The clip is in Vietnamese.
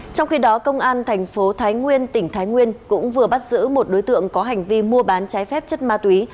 trong khi đó công an thành phố thái nguyên tỉnh thái nguyên cũng vừa bắt giữ một đối tượng có hành vi mua bán trái phép chất ma túy